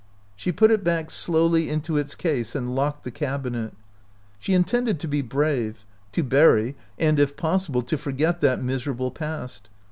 She 48 OUT OF BOHEMIA put it back slowly into its case and locked the cabinet. She intended to be brave, to bury and, if possible, to forget that miserable past.